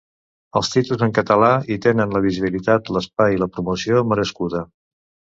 Els títols en català hi tenen la visibilitat, l’espai i la promoció merescuda.